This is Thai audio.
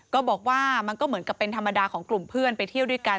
ก็บอกว่ามันก็เหมือนกับเป็นธรรมดาของกลุ่มเพื่อนไปเที่ยวด้วยกัน